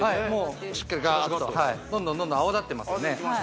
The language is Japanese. もうしっかりガーッとどんどんどんどん泡立ってますよね